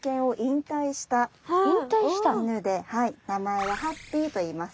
名前はハッピーといいます。